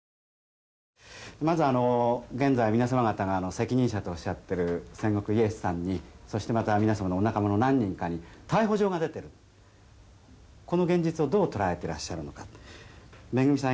まず現在皆さま方が責任者とおっしゃってる千石イエスさんにそしてまた皆さまのお仲間の何人かに逮捕状が出てるこの現実をどうとらえてらっしゃるのか恵さん